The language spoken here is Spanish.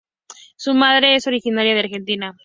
Su madre es originaria de Argentina.